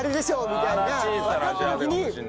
みたいなわかった時に。